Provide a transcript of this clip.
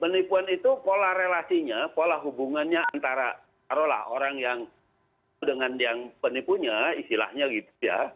penipuan itu pola relasinya pola hubungannya antara taruhlah orang yang dengan yang penipunya istilahnya gitu ya